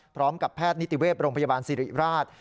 พร้อมกับแพทย์นิติเวศโรงพยาบาลสิริราช